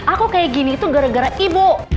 aku kayak gini tuh gara gara ibu